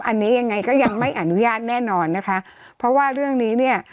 อันนี้ยังไงก็ยังไม่อนุญาตแน่นอนนะคะเพราะว่าเรื่องนี้เนี่ย